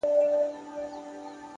پرمختګ د عادتونو له سمون پیلېږي.